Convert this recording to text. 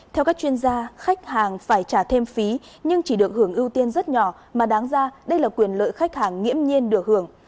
theo các chuyên gia khách hàng phải trả thêm phí nhưng chỉ được hưởng ưu tiên rất nhỏ mà đáng ra đây là quyền lợi khách hàng nghiễm nhiên được hưởng